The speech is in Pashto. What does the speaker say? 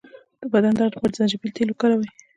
د بدن درد لپاره د زنجبیل تېل وکاروئ